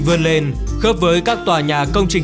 vươn lên khớp với các tòa nhà công trình